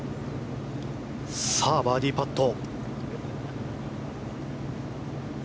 バーディーパット。